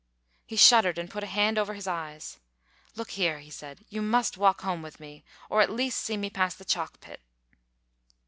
He shuddered, and put a hand over his eyes. "Look here," he said, "you must walk home with me, or at least see me past the Chalk pit."